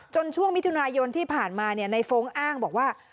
จนช่วงมิถุนายนที่ผ่านมาเนี่ยนายฟงค์อ้างบอกว่า